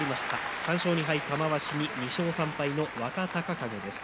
３勝２敗の玉鷲に２勝３敗の若隆景です。